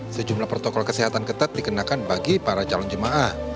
sejumlah protokol kesehatan ketat dikenakan bagi para calon jemaah